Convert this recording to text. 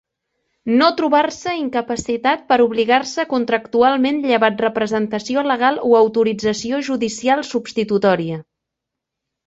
No trobar-se incapacitat per obligar-se contractualment, llevat representació legal o autorització judicial substitutòria.